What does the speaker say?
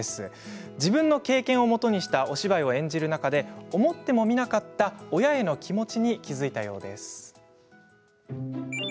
自分の経験をもとにしたお芝居を演じる中で思ってもみなかった親への気持ちに気付いたようです。